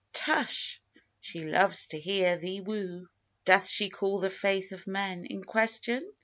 Tush! she loves to hear thee woo. Doth she call the faith of men In question?